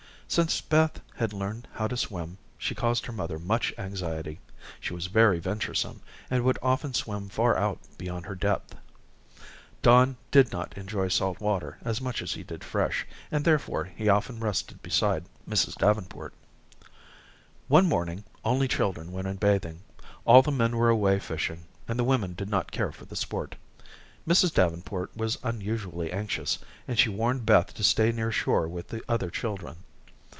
Since Beth had learned how to swim, she caused her mother much anxiety. She was very venturesome, and would often swim far out beyond her depth. Don did not enjoy salt water as much as he did fresh, and therefore he often rested beside Mrs. Davenport. One morning only children went in bathing. All the men were away fishing, and the women did not care for the sport. Mrs. Davenport was unusually anxious, and she warned Beth to stay near shore with the other children.